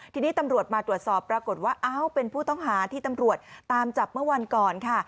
ทีนี้ตำรวจมาตรวจสอบปรากฏว่าอ้าวเป็นผู้ต้องหาที่ตำรวจตามจับเมื่อวันก่อนค่ะ